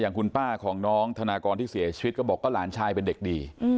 คุณป้าของน้องธนากรที่เสียชีวิตก็บอกว่าหลานชายเป็นเด็กดี